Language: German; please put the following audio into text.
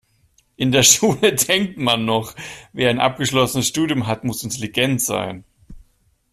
In der Schule denkt man noch, wer ein abgeschlossenes Studium hat, muss intelligent sein.